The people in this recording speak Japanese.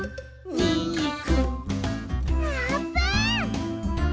あーぷん。